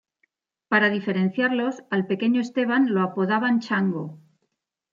Para diferenciarlos, al pequeño Esteban lo apodaban Chango.